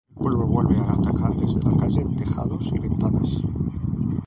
El pueblo vuelve a atacar desde la calle, tejados y ventanas.